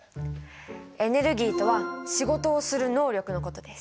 エネルギーとは仕事をする能力のことです。